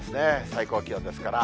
最高気温ですから。